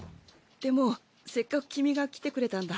でもせっかく君が来てくれたんだ。